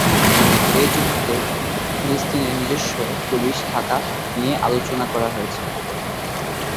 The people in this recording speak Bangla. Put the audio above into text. এ চুক্তিতে ফিলিস্তিনের নিজস্ব পুলিশ থাকা নিয়ে আলোচনা করা হয়েছে।